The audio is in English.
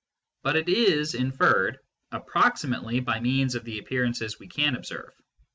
But it is inferred approximately by means of the appear ances we can observe.